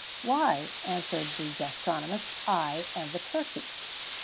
"Why," answered the gastronomist, "I and the turkey."